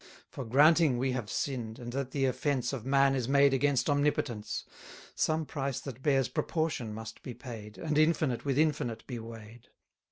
110 For, granting we have sinn'd, and that the offence Of man is made against Omnipotence, Some price that bears proportion must be paid, And infinite with infinite be weigh'd.